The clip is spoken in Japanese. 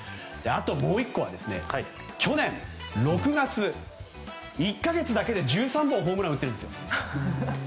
あともう１個は去年６月の１か月だけで１３本もホームランを打っているんです。